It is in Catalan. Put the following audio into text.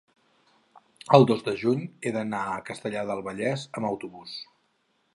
el dos de juny he d'anar a Castellar del Vallès amb autobús.